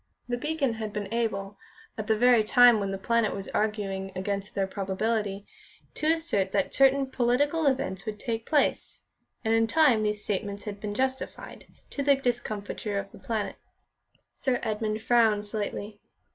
The Beacon had been able, at the very time when The Planet was arguing against their probability, to assert that certain political events would take place, and in time these statements had been justified, to the discomfiture of The Planet. Sir Edmund frowned slightly.